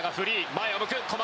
前を向く。